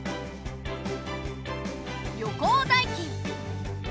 旅行代金。